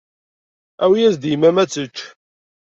Awi-yas-d i yemma-m ad tečč.